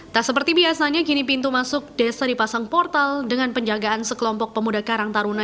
tak seperti biasanya kini pintu masuk desa dipasang portal dengan penjagaan sekelompok pemuda karang taruna